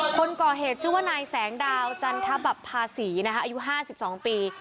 คนก่อเหตุชื่อว่านายแสงดาวจันทบับภาษีอายุ๕๒ปี